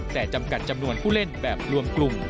แต่จำกัดจำนวนผู้เล่นแบบรวมกลุ่ม